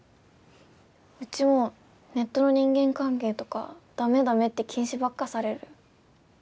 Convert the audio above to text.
うちもネットの人間関係とかだめだめって禁止ばっかされる。